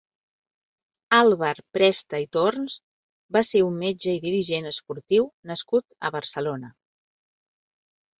Àlvar Presta i Torns va ser un metge i dirigent esportiu nascut a Barcelona.